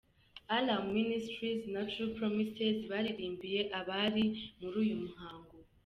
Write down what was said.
Alarm Ministries na True Promises baririmbiye abari muri uyu muhango.